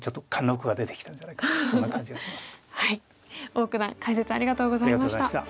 王九段解説ありがとうございました。